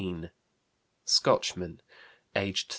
Scotchman, aged 38.